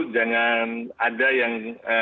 jangan ada yang